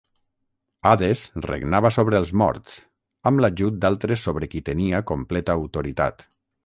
Hades regnava sobre els morts, amb l'ajut d'altres sobre qui tenia completa autoritat.